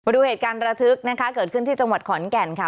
ดูเหตุการณ์ระทึกนะคะเกิดขึ้นที่จังหวัดขอนแก่นค่ะ